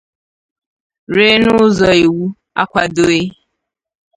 ree n'ụzọ iwu akwadòghị